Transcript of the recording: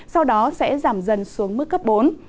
sau đó sẽ giảm dần xuống mức cấp bốn